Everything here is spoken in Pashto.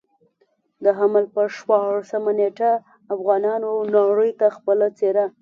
د حمل پر شپاړلسمه نېټه افغانانو نړۍ ته خپله څېره.